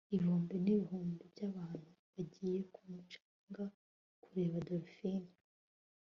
ibihumbi n'ibihumbi by'abantu bagiye ku mucanga kureba dolphine